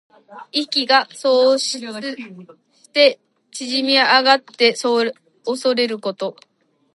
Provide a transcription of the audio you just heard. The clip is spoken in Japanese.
意気が阻喪して縮み上がっておそれること。